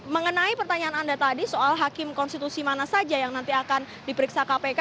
mengenai pertanyaan anda tadi soal hakim konstitusi mana saja yang nanti akan diperiksa kpk